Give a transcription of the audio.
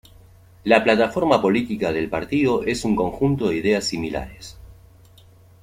La plataforma política del partido es un conjunto de ideas similares.